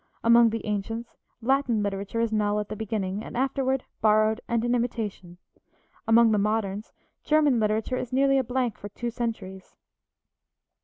Among the ancients, Latin literature is null at the beginning, and afterward borrowed and an imitation. Among the moderns, German literature is nearly a blank for two centuries.